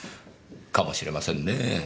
かもしれませんねぇ。